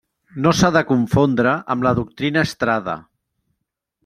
No s'ha de confondre amb la doctrina Estrada.